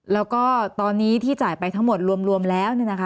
แล้วก็ตอนนี้ที่จ่ายไปทั้งหมดรวมแล้วเนี่ยนะคะ